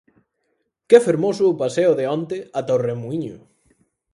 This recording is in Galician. ¡Que fermoso o paseo de onte ata O Remuíño!